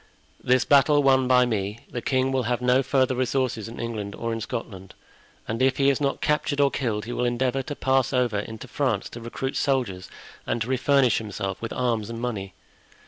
This battle won by me, the king will have no further resources in England or in Scotland; and if he is not captured or killed, he will endeavor to pass over into France to recruit soldiers and to refurnish himself with arms and money.